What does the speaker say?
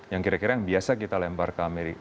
yang kira kira yang biasa kita lempar ke amerika